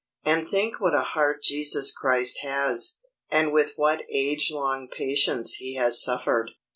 And think what a heart Jesus Christ has, and with what age long patience he has suffered!